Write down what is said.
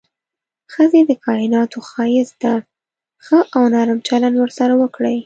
ښځې د کائناتو ښايست ده، ښه او نرم چلند ورسره وکړئ.